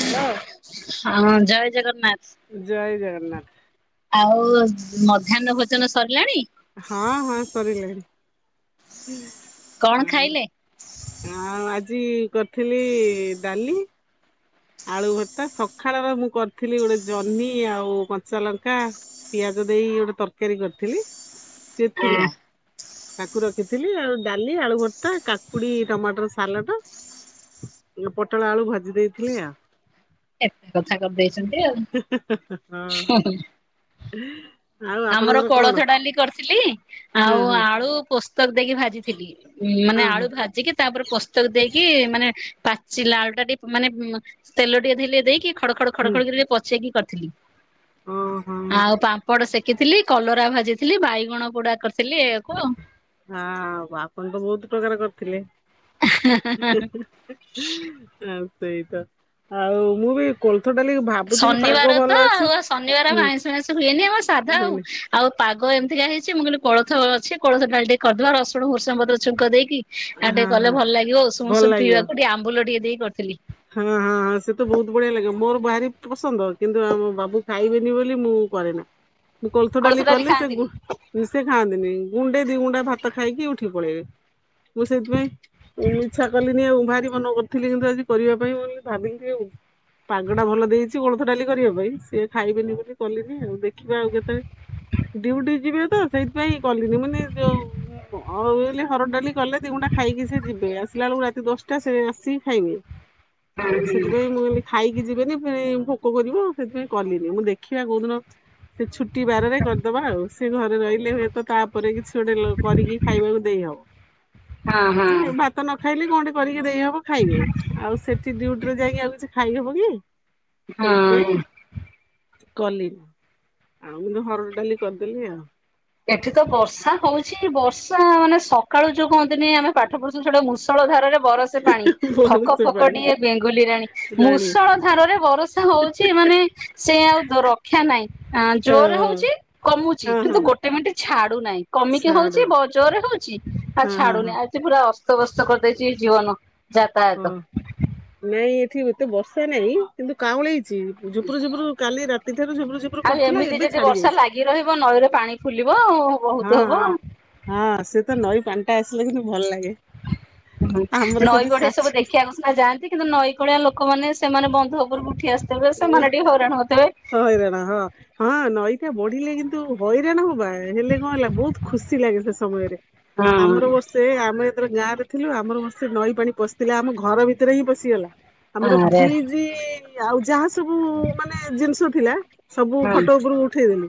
Hello. ହଁ ଜୟ ଜୟ ଜଗନ୍ନାଥ। ଜଗନ୍ନାଥ। ଆଉ ମଧ୍ୟାହ୍ନ ଭୋଜନ ସରିଲାଣି? ହଁ ହଁ ସରିଲାଣି କଣ ହଁ। ଖାଇଲେ? ଆଉ ଆଜି କରିଥିଲି ଡାଲି। ଆଳୁ ଭର୍ତା ସକାଳର ମୁଁ କରିଥିଲି ଗୋଟେ ଜହ୍ନି ଆଉ କଞ୍ଚାଲଙ୍କା। ପିଆଜ ଦେଇ ଗୋଟେ ତରକାରୀ କରିଥିଲି। ସିଏ ଆ ଥିଲା କାକୁ ରଖିଥିଲି ଆଉ ଡାଲି ଆଳୁ ଭର୍ତ୍ତା କାକୁ କୁଡି ଟମାଟର ସାଲଡ଼ ପୋଟଳ ଆଳୁ ଭାଜି ଦେଇଥିଲେ ଆ ଏତେ କଥା କରିଦେଇଛନ୍ତି ଆଉ। ହୁଁ ଆମର କୋଳଥ ଡାଲି କରିଥିଲି ହଁ ଆଉ ହଁ ଆଳୁ ପୋସ୍ତକ ଦେଇକି ଭାଜିଥିଲି। ଉଁ ମାନେ ହଁ ହଁ ଆଳୁ ଭାଜିକି ତାପରେ ପୋସ୍ତକ ଦେଇକି ମାନେ ପା ସେ ଲାଳ ଟା ଟିକେ ମାନେ ତେଲ ଟିକେ ଥିଲେ ଦେଇକି ଖଡ ଖଡ ହୁଁ ଖଡ ଖଡ଼ ଟିକେ ପଚେଇକି କରିଥିଲି। ଓହୋ ଆଉ ପାମ୍ପଡ଼ ସେକିଥିଲି କ କଲରା ଭାଜିଥିଲି ବାଇଗଣ ପୁଡା କରିଥିଲି ଏୟାକୁ ହଁ ଆପଣ ତ ବହୁତ ପ୍ରକାର କରିଥିଲେ। ସେଇ ତ ଆଉ ମୁଁ ବି କଳୋଥ ଡାଲି ଭା ଶନିବାର ତ ଆଉ ଶନିବାର ଆଇଁଷ ମାଇଁଷ ହୁଏନି ଆମର ସାଧା ଆଉ। ହନି ଆଉ ପାଗ ଏମିତିକା ହେଇଛି ମୁଁ କହିଲି କୋଳଥ ଅଛି କଳଥ ଡାଲି ଟିକେ କରିଦବା ରସୁଣ ଭୂର୍ସଂଗ ପତ୍ର ଛୁଙ୍କ ଦେଇକି। ଆଉ ଟିକେ ହଁ କଲେ ହଁ ଭଲ ଲାଗିବ ଉଷୁମ ଭଲ ଉଷୁମ ଲାଗିବ। ପିଇବାକୁ ଟିକେ ଆମ୍ବୁଲ ଟିକେ ଦେଇକ କରିଥିଲି। ହଁ ହଁଁ ସେ ତ ବହୁତ ବଢିଆ ଲାଗେ ମୋର ବାହାରି ପସନ୍ଦ କିନ୍ତୁ ଆମ ବାବୁ ଖାଇବେନି ବୋଲି ମୁଁ କରେ ନା। ହ ମୁଁ କୋଲଥ ଡାଲି କଲେ ସେ ସେ ଖାଆନ୍ତିନି ଗୁଣ୍ଡେ ଦି ଗୁଣ୍ଡା ଭାତ ଖାଇକି ଉଠି ପଳେଇବେ। ମୁଁ ସେଇଥିପାଇଁ ମୁଁ ଇଚ୍ଛା କଲିନି ଆଉ ଭାରି ମନ କରୁଥିଲି କିନ୍ତୁ ଆଜି କରିବା ପାଇଁ ବୋଲି ଭାବିଲି ଟିକେ ଆଉ। ପାଗଡା ଭଲ ଦେଇଛି କୋଳଥ ଡାଲି କରିବା ପାଇଁ ସିଏ ଖାଇବେନି ବୋଲିି କଲିନି ଆଉ ଦେଖିବା ଆଉ କେତେବେଳେ। ଡିଉଟି ଯିବେ ତ ସେଇଥିପାଇଁ କଲିନି ମାନେ ଯୋଉ ଆଉ ହର ଡାଲି କଲେ ଦି ଗୁଟା ଖାଇକି ସେ ଯିବେ ଆସିଲା ବେଳକୁ ରାତି ଦଶଟା ସେ ଆସିକି ଖାଇବେ। ଆଉ ସେଥିପାଇଁ ମୁଁ କହିଲି ଖାଇକି ଯିବିନି ଭୋକ କରିବଉ ସେଥିପାଇଁ କଲିନି ମୁଁ ଦେଖିବା କୋଉଦିନ ସେ ଛୁଟି ବାରରେ କରିଦବା ଆଉ ସେ ଘରେ ରହିଲେ। ତ ତାପରେ କିଛି ଗୋଟେ କରିକି ଖାଇବାକୁ ହଁ ହଁ ଦେଇହବ ତ ନ ଖାଇଲେ କଣଟେ କରିକି ଦେଇହବ ଖାଇବେ, ଆଉ ସେଠି ଡିଉଟିରେ ଯାଇକି ଆଉ କିଛି ଖାଇହବ କି? ସେଇଥି ହଁ। ପାଇଁ। କଲି ଆଉ ମୁଁ ହରଡ଼ ଡାଲି କରିଦେଲି ଆଉ। ଏଠି ତ ବର୍ଷା ହଉଛି ବର୍ଷା ମାନେ ସକାଳୁ ଯୋଉ କହନ୍ତିନି ଆମେ ପାଠ ପଢୁ ଛୋଟ ଛୋଟ ଯୋଉ ମୂଷଳ ଧାରରେ ବରସେ ପାଣି। ବହର ଫକ ଫକ ସୁପାରି ଡିଏଁ ବେଙ୍ଗୁଲି ରାଣୀ, ରାଣୀ। ମୂଷଳ ଧାରରେ ବର୍ଷା ହଉଛି ମାନେ ସେ ଆଉ ରକ୍ଷା ନାହିଁ ଜୋର ଓହୋ ହଉଛି କମୁଛି ହଁ ହଁ କିନ୍ତୁ ଗୋଟ ଟେ ମିଣ୍ଟ୍ ଛାଡୁନାହିଁ କମିକି ସାଡୁ ହଉଛି ବ ଜୋରରେ ହଉଛି ଆଉ ହଁ ହଁ ହଁ ଛାଡୁନି। ଆଜି ପୁରା ଅସ୍ତବସ୍ତ କରିଦେଇଛି ଜୀବନ ଯାତାୟାତ। ହଁ ନାଇଁ ଏଠି ଏତେ ବର୍ଷା ନାହିଁ କିନ୍ତୁ କାଉଁଳେଇଛି ଝୁପୁରୁ ଝୁପୁରୁ କାଲି ରାତିଠାରୁ ଝୁପୁରୁ ଝୁପ ଆଉ ଏମିତି ଯଦି ବର୍ଷା ଲାଗି ରହିବ ନଈରେ ପାଣି ଫୁଲିବ ଆଉ ହଁ ବହୁତ ହବ। ହଁ ହଁ ସେ ତ ନଈ ପାଣି ଟା ଆସିଲେ କିନ୍ତୁ ଭଲ ଲାଗେ। ହୁଁ ଆମର ନଈ ସେଠି ବଢେଇ ସବୁ ଶାଶୁ ଦେଖିବାକୁ ସିନା ଯାଆନ୍ତି କିନ୍ତୁ ନଈକଳିଆ ଲୋକମାନେ ସେମାନେ ବନ୍ଧ ଉପରକୁ ଉଠି ଆସ ତେବେ ସେମାନେ ଟିକେ ହଇରାଣ ହଉଥିବେ। ହଇରାଣ ହଁ ହଁ ନଈଟା ବଢିଲେ କିନ୍ତୁ ହଇରାଣ ହବା। ହେଲେ କଣ ହେଲା ବହୁତ ଖୁସି ଲାଗେ ସେ ସମୟରେ, ଆମର ବର୍ଷ ସେ ଆମେ ଯେତେବେଳେ ଗାଁ ରେ ଥିଲୁ ଆମର ବର୍ଷେ ନଈ ପାଣି ପଶିଥିଲା ଆମ ଘର ଭିତରେ ହିଁ ପଶିଗଲା। ଆମର ଆରେ ଫ୍ରିଜ ଆଉ ଯାହା ସବୁ ମାନେ ଜିନ ଥିଲା ସବୁ ଖଟ ଉପରୁ ଉଠେଇଦଲୁ।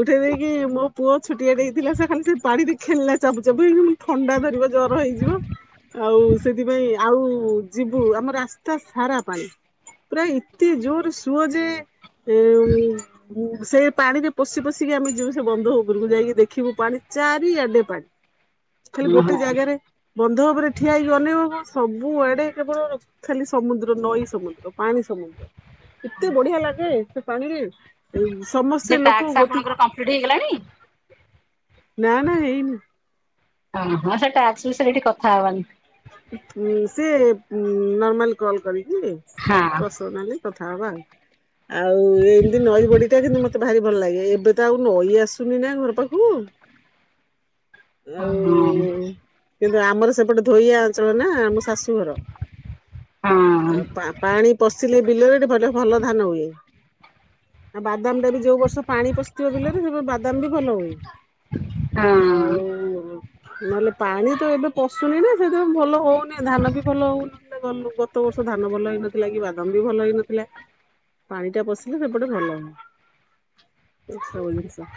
ଉଠେଇ ଦେଇକି ମୋ ପୁଅ ଛୁଟିଆ ଟିଏ ହେଇଥିଲା ସେ ଖାଲି ସେ ପାଣିରେ ଖେଳିଲା ଚପ ଚପ ହେଇ। ଥଣ୍ଡା ଧରିବ ଜର ହେଇଯିବ ଆଉ ସେଥିପାଇଁ ଆଉ ଯିବୁ ଆମ ରା ତା ସାରା ପାଣି ପୁରା ଏତେ ଜୋର ସୁୁଅ ଯେ ଉ ଉଁ ସେ ପାଣି ରେ ପଶି ପଶିକି ଆମେ ଯିବୁ ସେ ବନ୍ଧ ଉପରକୁ ଯାଇକି ଦେଖିବୁ ପାଣି ଚାରି ଆଡେ ପାଣି। ହ ଖାଲି ଗୋଟେ ଜାଗାରେ ବନ୍ଧ ଉପରେ ଠିଆ ହେଇକି ଅନେଇବୁ ସବୁ ଆଡେ କେବଳ ଖାଲି ସମୁଦ୍ର ନଈ ସମୁଦ୍ର ପାଣି ସମୁଦ୍ର ଏତେ ବଢିଆ ଲାଗେ। ସେ ପାଣିରେ ସେ ସମସ୍ତେ ଲୋକ ଟାସ୍କ ଗୋଟି ଆପଣଙ୍କର କମ୍ପ୍ଲିଟ ହେଇଗଲାଣି? ନା ନା ହେଇନି। ଓ ହଁ ସେଟା ଆସୁ ସେଇଠି କଥା ହବାନି। ସେ ନର୍ମାଲ କଲ କରିକି ହଁ ପରସନାଲି। କଥା ହବା ଆଉ ଏମିତି ନଈ ବଡିଟା କିନ୍ତୁ ମତେ ଭାରି ଭଲ ଲାଗେ, ଏବେ ତ ଆଉ ନଈ ଆସୁନି ନା ଘର ପାଖକୁ। ହଁ ଆଉ କିନ୍ତୁ ଆମର ସେପଟେ ଳିଆ ଅଞ୍ଚଳ ନା ଆମ ଶାଶୁଘର ହଁ। ପାଣି ପଶିଲେ ବିଲରେ ଭଲ ଧାନ ହୁଏ। ଆଉ ବାଦାମ ଟା ବି ଯୋଉ ବର୍ଷ ପାଣି ପଶିଥିବ ବିଲରେ ସେ ବାଦାମ ବି ଭଲ ହୁଏ। ହଁ ଆଉ ନହେଲେ ପାଣି ତ ଏବେ ପଶୁନି ନା। ସେଥିପାଇ ଭଲ ହଉନି ଧାନ ବି ଭଲ ହଉନି। ଗଲୁ ଗତ ବର୍ଷ ଧାନ ଭଲ ହେଇନଥିଲା କି ବାଦାମ ବି ଭଲ ହେଇନଥିଲା। ପାଣି ଟା ପଶିଲେ ସେପଟେ ଭଲ ହଏ। ଏ ସବୁ ଜିନିଷ,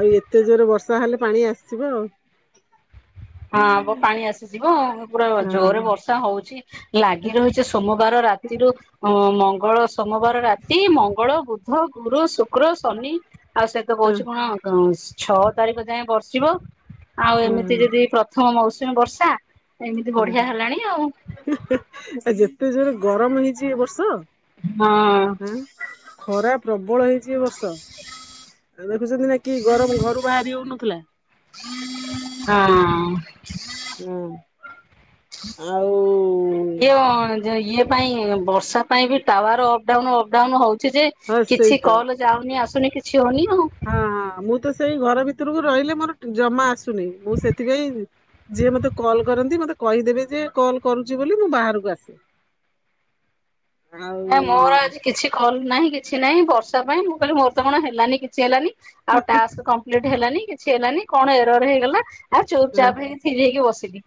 ଆଉ ଏତେ ଜୋର ବର୍ଷା ହେଲେ ପାଣି ଆସିଯିବ ଆଉ। ହଁ ବ ପାଣି ଆସିଯିବ ପୁରା ଜୋରରେ ବର୍ଷା ହଉଛି ଲାଗି ରହିଛି ସୋମ ବାର ରାତିରୁ ମଙ୍ଗଳ ସୋମବାର ରାତି ମଙ୍ଗଳ, ବୁଧ, ଗୁରୁ, ଶୁକ୍ର, ଶନି ଆଉ ସେ ତ ହଁ କହୁଛି କଣ ଛଅ ତାରିଖ ଯାଏ ବର୍ଷିବ ଆଉ ହଁ ଏମିତି ଯଦି ହଁ ପ୍ରଥମ ମୌସୁମୀ ବର୍ଷା ଏମିତି ବଢିଆ ଓହୋ ହେଲାଣି ଆଉ। ଯେତେ ଜୋରେ ଗରମ ହେଇଛି ଏ ବର୍ଷ ହଁ। ହଁ ଖରା ପ୍ରବଳ ହେଇଛି ଏ ବର୍ଷ ତ ଆଉ ଦେଖୁଛନ୍ତି ନା କି ଗରମ ଘରୁ ବାହାରି ହଉନଥିଲା। ହଁ। ହଁ ଆଉ ଯଉ ଯ ଇଏ ପାଇଁ ବର୍ଷା ପାଇଁ ବି ଟାୱାର ଅପଡାଉନୁ ଅପଡାଉନୁ ହଉଛି ଯେ ହଁ ସେଇ କିଛି ତ କଲ ଯାଉନି ଆସୁନି କିଛି ହଉନି ଆଉ। ହଁ ହଁ ମୁଁ ତ ସେଇ ଘର ଭିତରକୁ ରହିଲେ ମୋର ଟ ଜମା ଆସୁନି ମୁଁ ସେଥିପାଇଁ ଯିଏ ମତେ କଲ୍ କରନ୍ତି ମତେ କହିଦେବେ ଯେ କଲ୍ କରୁଛି ବୋଲି ମୁଁ ବାହାରକୁ ଆସେ। [inaudible] ନା ମୋର ଆଜି କିଛି କଲ୍ ନାହିଁ କିଛି ନାହିଁ ବର୍ଷା ପାଇଁ ମୁଁ କହିଲି ମୋର ତ କଣ ହେଲାନି କିଛି ହେଲାନି। ଆଉ ଟାସ୍କ କମ୍ପ୍ଲିଟ ହେଲାନି କିଛି ହେଲାନି କଣ ଏରର ହେଇଗଲା ଆଉ ଚୁପ ଚାପ୍ ହେଇ ଥିରି ହେଇକି ବସିଲି।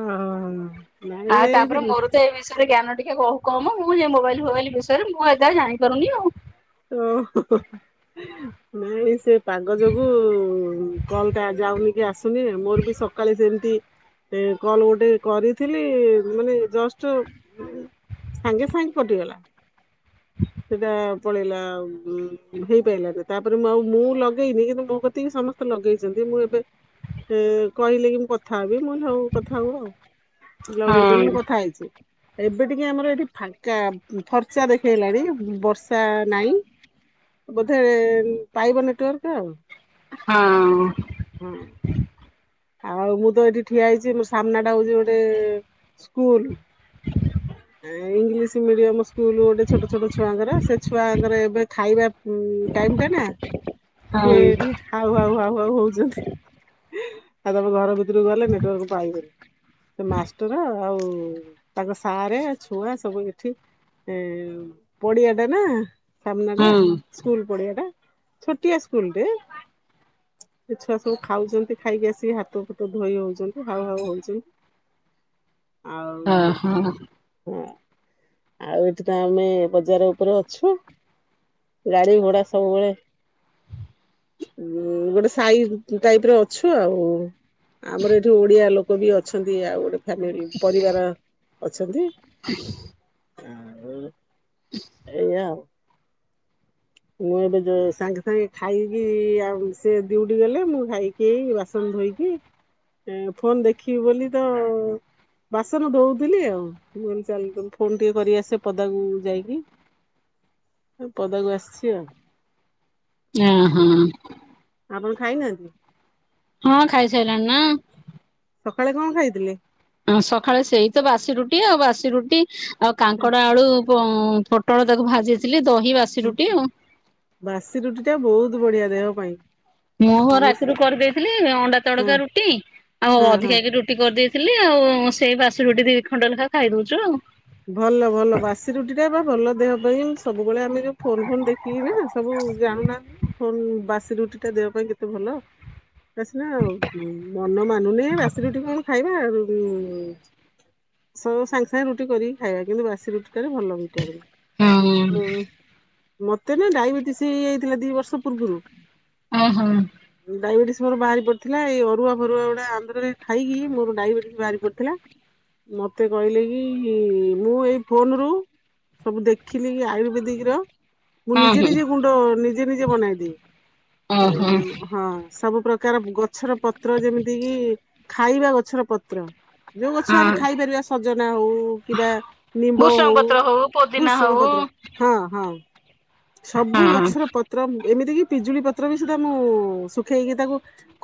ଓହୋ ନାଇଁ ଯାଇଥିଲି। ସେ ବିଷୟରେ ଜ୍ଞାନ ଟିକେ ବହୁ କମ ମୁଁ ଯେ ମୋବାଇଲ ଫୋବାଇଲ ବିଷୟରେ ମୁଁ ଏଯାଏ ଜାଣିପାରୁନି ଆଉ। ଓ ହୋ ହୋ। ନାଇଁ ସେ ପାଗ ଯୋଗୁ କଲଟା ଯାଉନି କି ଆସ ଥିନି ମୋର ବି ସକାଳେ ସେମିତି ଏ କଲ ଗୋଟେ କରିଥିଲି ମାନେ ଜଷ୍ଟ ଉଁ ସାଙ୍ଗେ ସାଙ୍ଗେ କଟିଗଲା ସେଟା ପଳେଇଲା ଉଁ ହେଇପାରିଲାନି ତାପରେ ମୁଁ ଆଉ ମୁଁ ଲଗେଇନି କିନ୍ତୁ ମୋ କତିକି ସମ ସ୍ତେ ଲଗେଇଛନ୍ତି ମୁଁ ଏବେ ଏ କହିଲେ କି ମୁଁ କଥା ହେବି ମୁଁ କହିଲି ହଉ କଥା ହୁଅ। ହଁ ଲଗେଇଛନ୍ତି ମୁଁ କଥା ହେଇଛି ଏବେ ଟିକେ ଆମର ଏଠି ଫାଙ୍କା ଫର୍ଚ୍ଚା ଦେଖେଇଲାଣି ବର୍ଷ ସା ନାଇଁ ବୋଧେ ପାଇବ ନେଟୋଆର୍କ ଆଉ। ହଁ। ହଁ। ଆଉ ମୁଁ ତ ଏଇଠି ଠିଆ ହେଇଛି ମୋ ସାମ୍ନା ଟା ହଉଛି ଗୋଟେ ସ୍କୁଲୁ। [unintelligible] ଏ ଇଂଲିସ୍ ମିଡିୟମ ସ୍କୁଲ ଗୋଟେ ଛୋଟ ଛୋଟ ଛୁଆଙ୍କର ସେ ଛୁଆଙ୍କର ଏବେ ଖାଇବା ଉଁ ଟାଇମ ଟା ନା ହଁ ସିଏ ଏଠି ହାଉ ହାଉ ହାଉ ହାଉ ହଉଛନ୍ତି ଆଉ ତାପରେ ଘର ଭିତରକୁ ଗଲେ ନେଟୱର୍କ ପାଇବନି। ସେ ମାଷ୍ଟର ଆଉ ତାଙ୍କ ସାରେ ଛୁଆ ସବୁ ଏଠି। ଏ ପଡିଆ ଟା ନା ସାମ୍ନା ଟା। ହଁ ସ୍କୁଲ ପଡିଆ ଟା ଛୋଟିଆ ସ୍କୁଲ ଟେ। ଏ ଛୁଆ ସବୁ ଖାଉଛନ୍ତି ଖାଇକି ଆସ ତି ହାତ ଫାତ ଧୋଇ ହଉଛନ୍ତି ହାଉ ହାଉ ହଉଛନ୍ତି। ଆଉ ଓହୋ ହଁ ଆଉ ଏଠି ତ ଆମେ ବଜାର ଉପରେ ଅଛୁ। ଗାଡି ଘୋଡା ସବୁବେଳେ ଉଁ ଗୋଟେ ସାଇ ଟାଇପ୍ ର ଅଛୁ ଆଉ। ଆମର ଏଇଠି ଓଡିଆ ଲୋକ ବି ଅଛନ୍ତି ଆଉ ଗୋଟେ ଫାମିଲ ପରିବାର ଅଛନ୍ତି। [inaudible] ଆଉ ଏଇଆ ଆଉ। ମୁଁ ଏବେ ଯ ସାଙ୍ଗେ ସାଙ୍ଗେ ଖାଇକି ଆଉ ସେ ଡିଉଟି ଗଲେ ମୁଁ ଖାଇକି କି ଏଇ ବାସନ ଧୋଇକି ଫୋନ ଦେଖିବି ବୋଲି ତ ବାସନ ଧୋଉଥିଲି ଆଉ। ହ ଚାଲ ଫୋନ ଟିକେ କରି ଆସେ ପଦାକୁ ଯାଇକି ପଦାକୁ ଆସି। କିଏ ଜାଣେ। ହଁ ହଁ। ଆପଣ ଖାଇନାହାନ୍ତି। ହଁ ଖାଇସାରିଲାଣି ନା। ସକାଳେ କଣ ଖାଇଥିଲେ? ସକାଳେ ସେଇ ତ ବାସି ରୁଟି ଆଉ ବାସି ରୁଟି ଆଉ କାଙ୍କଡ ଆଳୁ ପୋଟଳ ତାକୁ ଭାଜିଥିଲି ଦହି ବାସିରୁଟି ଆଉ। ବାସି ରୁଟି ଟା ବହୁତ ବଢିଆ ଦେହ ପାଇଁ। ମୁଁ ଆମେ ରାତିରୁ କରିଦେଇଥିଲି ଅଣ୍ଡା ହଁ ତଡକା ରୁଟି ଆଉ ହଁ ହଁ ଅଧିକାକି ରୁଟି ରୁଟି କରିଦେଇଥିଲି ଆଉ ସେଇ ବାସି ରୁଟି ଦିଇ ଖଣ୍ଡ ଲେଖା ଖାଇଦଉଚୁ ଆଉ। ଭଲ ଭଲ ବାସି ରୁଟି ଟା ବା ଭଲ ଦେହ ପାଇଁ ସବୁବେଳେ ଆମେ ଯୋଉ ଫୋନ ଫୋନ ଦେଖ କି ନା ସବୁ ଜାଣୁନାହାନ୍ତି ଫ ବାସି ରୁଟି ଟା ଦେହ ପାଇଁ କେତେ ଭଲ। ଏବେ ସିନା ମନ ମାନୁନି ବାସିରୁଟି କଣ ଖାଇବା ଆଉ ସୁ ସାଙ୍ଗେ ସାଙ୍ଗେ ରୁଟି କରିକି ଖାଇବା କିନ୍ତୁ ବାସି ରୁଟି ଟାରେ ଭଲ ଆଉ ଭିଟାମିନ। ହଁ ମତେ ନା ଡାଇବେଟିସ ହେଇଯାଇଥିଲା ଦି ବର୍ଷ ପୂର୍ବରୁ। ଓହୋ। ଡାଇବେଟିସ୍ ମୋର ବାହାରି ପଡିଥିଲା ଏଇ ଅରୁଆ ଫରୁଆ ଗୁଡା ଆନ୍ଧ୍ରରେ ଖାଇକି ମୋର ଡାଇବେଟିସ୍ ବାହାରି ପଡିଥିଲା। ମତେ କହିଲେ କି ମୁଁ ଏଇ ଫୋନ ରୁ ସବୁ ଦେଖିଲି କି ଆୟୁର୍ବେଦିକ ର। ମୁଁ ହଁ ନିଜେ ହଁ ନିଜେ ଗୁଣ୍ଡ ନିଜେ ନିଜେ ବନେଇଦି ଏ ଓହୋ ହଁ। ସବୁ ପ୍ରକାର ଗଛର ପତ୍ର ଯେମିତି କିି ଖାଇବା ଗଛର ପତ୍ର। ଯୋଉ ଗଛ ଆମେ ହଁ ଖାଇପାରିବା ସଜନା ହଉ କିବା ନିମ୍ବ ହଉ ଭୃଷଙ୍ଗ ପତ୍ର ପୋଦିନା ବୃଷଙ୍ଗ ହଉ ପତ୍ର। ହଁ ହଁ ସବୁ ହଁ ଗଛର ପତ୍ର ପତ୍ର ଏମିତି କିି ପିଜୁଳି ପତ୍ର ବି ସୁଧା ମୁଁ ଶୁଖେଇକି ତାକୁ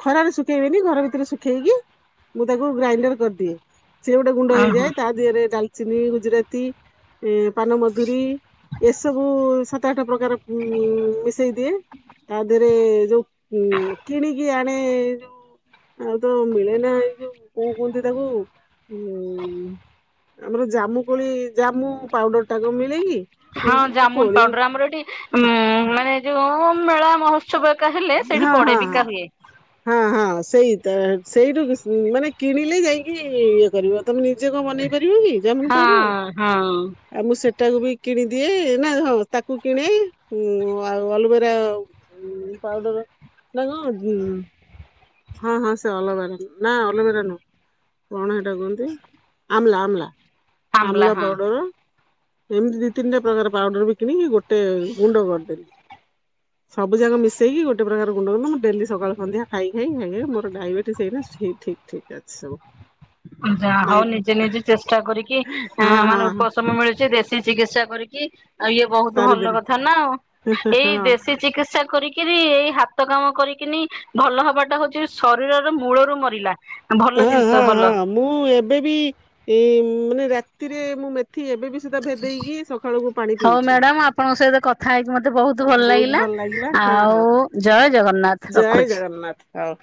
ଖରାରେ ଶୁଖେଇଦେବି ଘର ଭିତରେ ଶୁଖେଇକି ମୁଁ ତାକୁ ଗ୍ରାଇଣ୍ଡର କରିଦିଏ। ସିଏ ଗୋଟେ ଗୁଣ୍ଡ ଓହୋ ହେଇଯାଏ ତା ଦିହରେ ଡାଲଚିନି ଗୁଜୁରାତି ଏ ପାନମଧୁରୀ ଏସବୁ ସାତ ଆଠ ପ୍ରକାର ମିଶେଇ ଦିଏ। ତା ଦେହରେ ଯୋଉ କିଣିକି ଆଣେ ଯୋଉ ଆଉ ତ ମିଳେ ନା ଏଇ ଯୋଉ କଣ କୁହନ୍ତି ତାକୁ ଉ ଆଗରୁ ଜାମୁ କୋଳି ଜାମୁ ପାଉଡର ଟା କଣ ମିଳେ କିି? ହଁ ଜାମୁନ ପାଉଡର ଆମର ଏଠି ଉ ମାନେ ଯୋଉ ମେଳା ମହତ୍ ସବୁ ଏକା ହେଲେ ହଁ ସେଇଠି ହଁ ପଡେ ବିକା ହୁଏ। ହଁ ହଁ ସେଇ ତ ସେଇଠୁ ମାନେ କିଣିଲେ ଯାଇକି ଇଏ କରିବ। ତମେ ନିଜେ କଣ ବନେଇ ପାରିବ କି ଜାମୁନ ପାଉଡର। ହଁ ହଁ ଆଉ ମୁଁ ସେଟାକୁ ବି କିଣିଦିଏ ନା ହଁ ତାକୁ କିଣେ ଆଉ ଅଲୋଭେରା ହଁ ପାଉଡର ନା କଣ ହଁ ହଁ ସେ ଅଲଭରା ନା ଅଲବେରା ନୁହ। କଣ ସେଇଟା କୁହନ୍ତି ଆମ୍ଲା ଆମ୍ଲା ଆମ୍ଲା ପାଉଡ଼ର। ଏମିତି ଦି ତିନିଟା ପ୍ରକାର ପାଉଡର ବି କିଣିକି ଗୋଟେ ଗୁଣ୍ଡ କରିଦେଲି। ସବୁ ଯାକ ମିସେଇକି ଗୋଟେ ପ୍ରକାର ଗୁଣ୍ଡ ମୁ ଡେଲି ସକାଳ ସନ୍ଧ୍ୟା ଖାଇଲି। ହେଇ ହେ ମୋର ଡାଇବେଟିସ୍ ହେଇଲା, ସେଇ ଠିକ୍ ଠିକ୍ ଅଛି ସବୁ। ଯା ନାଇଁ ହଉ ନିଜେ ନିଜେ ଚେଷ୍ଟା କରିକି ହଁ ଅଁ, ହଁ ମାନେ ହଁ ଉପଶମ ମିଳି ଚି, ଦେଶୀ ଚିକିତ୍ସା କରିକି ଆଉ ଇଏ ବହୁତ ଭଲ ସାରିଦେଲି କଥା ନା ଆଉ, ଏଇ ଦେଶୀ ଚିକିତ୍ସା କରିକିରି ଏଇ ହାତ କାମ କରିକିନି ଭଲ ହବାଟା ହଉଛି ଶରୀରର ମୂଳରୁ ମରିଲା। ଭଲ ହଁ ହଁ ଜିନିଷ ହଁ ଭଲ। ହଁ ମୁଁ ଏବେ ବି ଏ ଉଁ, ମାନେ ରାତିରେ ମୁଁ ମେଥି ଏବେ ବି ସେଟା ଭେଦେଇକି ସଖାଳୁ ପାଣି ହଉ ପିଉଛି। ମ୍ୟାଡାମ ଆପଣଙ୍କ ସହିତ କଥା ହେଇକି ମୋତେ ବହୁତ ଭଲ ଲାଗିଲା। ଆଉ ଜୟ ଜଗନ୍ନାଥ ଜୟ ରଖୁଛି। ଜଗନ୍ନାଥ ହଉ।